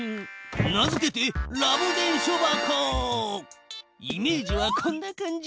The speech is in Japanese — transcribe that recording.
名付けてイメージはこんな感じ。